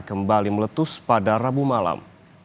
kembali meletus pada rabu malam